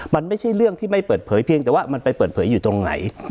มันไม่ใช่เรื่องที่ไม่เปิดเผยเพียงแต่ว่ามันไปเปิดเผยอยู่ตรงไหน